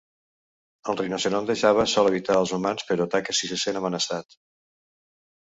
El rinoceront de Java sol evitar els humans, però ataca si se sent amenaçat.